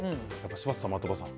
柴田さん、的場さん